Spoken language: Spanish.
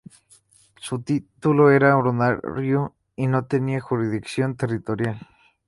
Su título era honorario y no tenía jurisdicción territorial.